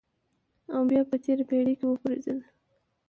او بیا په تېره پېړۍ کې وپرځېدل.